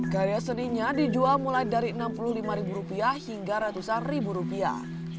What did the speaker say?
karya seninya dijual mulai dari enam puluh lima ribu rupiah hingga ratusan ribu rupiah